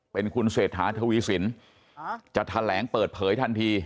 เป็นคุณเศรษฐาทวีสินจะแถลงเปิดเผยทันที